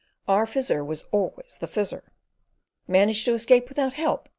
Our Fizzer was always the Fizzer. "Managed to escape without help?"